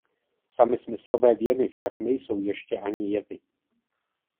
Samy smyslové vjemy však nejsou ještě ani jevy.